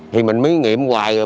thì mình mới nghiệm hoài rồi